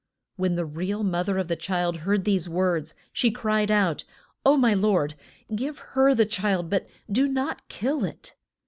When the real moth er of the child heard these words she cried out, O my lord, give her the child, but do not kill it.